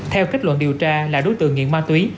theo kết luận điều tra là đối tượng nghiện ma túy